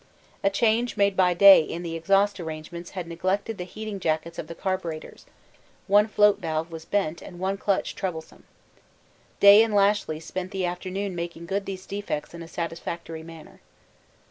A change made by Day in the exhaust arrangements had neglected the heating jackets of the carburetters; one float valve was bent and one clutch troublesome. Day and Lashly spent the afternoon making good these defects in a satisfactory manner.